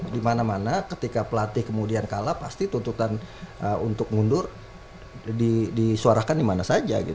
di mana mana ketika pelatih kemudian kalah pasti tuntutan untuk mundur disuarakan dimana saja